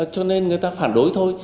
cho nên người ta phản đối thôi